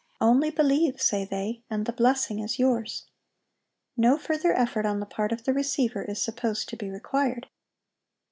"Only believe," say they, "and the blessing is yours." No further effort on the part of the receiver is supposed to be required.